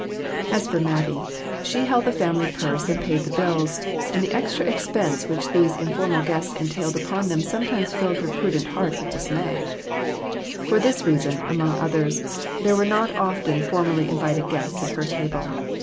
As for Mattie, she held the family purse and paid the bills, and the extra expense which these infor mal guests entailed upon them sometimes rilled her prudent heart with dismay. For this reason, among others, there were not often formally invited guests at her table.